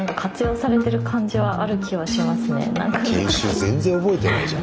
全然覚えてないじゃん。